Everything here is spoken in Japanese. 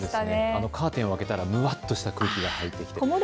カーテンを開けたら、むあっとした空気が入ってきました。